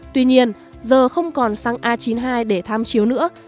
tuy nhiên giờ không còn xăng a chín mươi hai để tham chiếu nữa